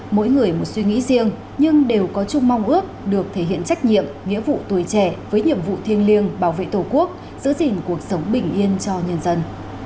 mỗi người một suy nghĩ riêng nhưng đều có chung mong ước được thể hiện trách nhiệm nghĩa vụ tuổi trẻ với nhiệm vụ thiêng liêng bảo vệ tổ quốc giữ gìn cuộc sống bình yên cho nhân dân